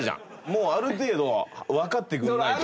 もうある程度はわかってくれないと。